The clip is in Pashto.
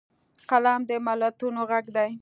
قلم د ملتونو غږ دی